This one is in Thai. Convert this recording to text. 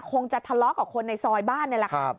คงจะทะเลาะกับคนในซอยบ้านนี่แหละครับ